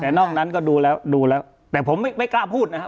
แต่นอกนั้นก็ดูแล้วแต่ผมไม่กล้าพูดนะครับ